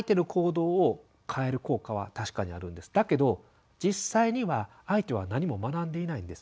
だけど実際には相手は何も学んでいないんです。